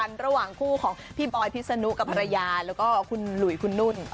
ระหว่างคู่ของพี่บอยพิษนุกับภรรยาแล้วก็คุณหลุยคุณนุ่น